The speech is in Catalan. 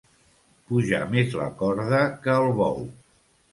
Pujar més la corda que el bou.